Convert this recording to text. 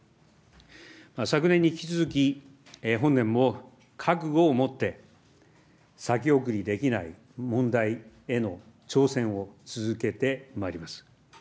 昨年に引き続き、本年も覚悟をもって、先送りできない問題への挑戦を続けてまいります。